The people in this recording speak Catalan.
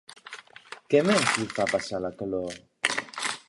Què més li fa passar la calor?